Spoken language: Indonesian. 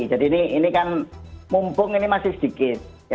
jadi ini kan mumpung ini masih sedikit